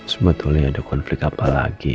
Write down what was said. sebetulnya ada konflik apa lagi